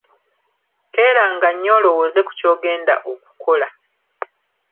Keeranga nnyo olowooze ku ky'ogenda okukola.